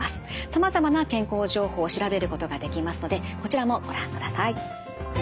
さまざまな健康情報を調べることができますのでこちらもご覧ください。